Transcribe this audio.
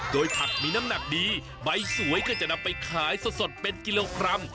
โดยผักมีน้ำหนักดีใบสวยก็จะนำไปขายสดเป็นกิโลกรัม